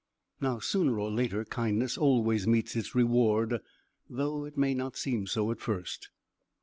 Now sooner or later kindness always meets its reward, though it may not seem so at first.